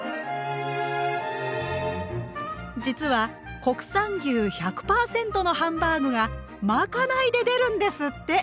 実は国産牛１００％のハンバーグがまかないで出るんですって！